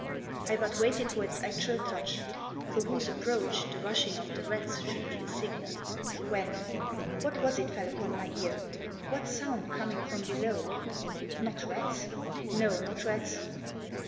I but waited for its actual touch ; for whose approach the rushing of the rats should be the signal ; when — what was it fell upon my ear ? What sound, coming from below? Not rats? No, not rats.